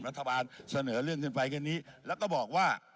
ผมก็อยากให้เขาทำอยากให้คนรู้ใจมาทำ